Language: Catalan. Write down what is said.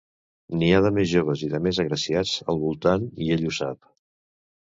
N'hi ha de més joves i de més agraciats al voltant i ell ho sap.